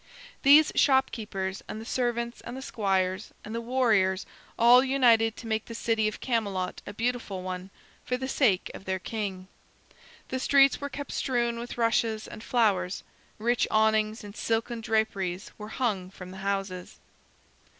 These shopkeepers and the servants and the squires and the warriors all united to make the city of Camelot a beautiful one, for the sake of their king. The streets were kept strewn with rushes and flowers. Rich awnings and silken draperies were hung from the houses.